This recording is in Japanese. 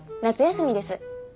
夏休みです。